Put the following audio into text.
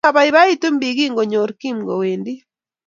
Mabaibaitun biik kingogeer Kim kowendi